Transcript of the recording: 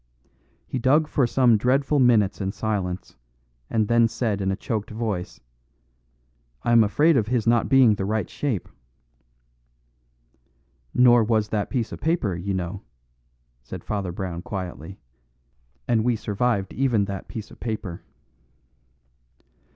He dug for some dreadful minutes in silence, and then said in a choked voice, "I'm afraid of his not being the right shape." "Nor was that piece of paper, you know," said Father Brown quietly, "and we survived even that piece of paper."